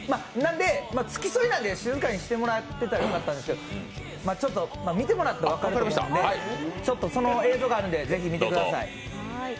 付き添いなんで静かにしてもらったらいいんですけどちょっと、見てもらったら分かるんで、その映像があるんでぜひみてください。